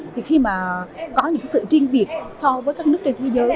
thì khi mà có những sự riêng biệt so với các nước trên thế giới